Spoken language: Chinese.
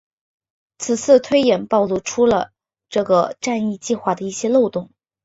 此次推演暴露出了这个战役计划的一些漏洞。